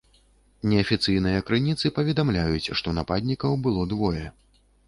Неафіцыйныя крыніцы паведамляюць, што нападнікаў было двое.